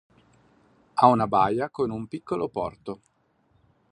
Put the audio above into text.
Ha una baia con un piccolo porto.